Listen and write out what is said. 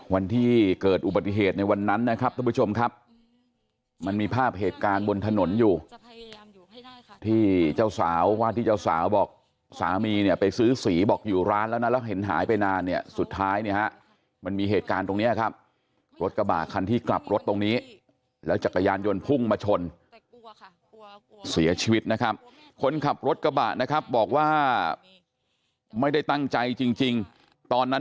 วันที่เกิดอุบัติเหตุในวันนั้นนะครับทุกผู้ชมครับมันมีภาพเหตุการณ์บนถนนอยู่ที่เจ้าสาวว่าที่เจ้าสาวบอกสามีเนี่ยไปซื้อสีบอกอยู่ร้านแล้วนะแล้วเห็นหายไปนานเนี่ยสุดท้ายเนี่ยฮะมันมีเหตุการณ์ตรงเนี้ยครับรถกระบะคันที่กลับรถตรงนี้แล้วจักรยานยนต์พุ่งมาชนเสียชีวิตนะครับคนขับรถกระบะนะครับบอกว่าไม่ได้ตั้งใจจริงตอนนั้น